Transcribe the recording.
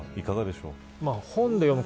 いかがでしょう。